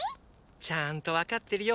ちゃんとわかってるよママ！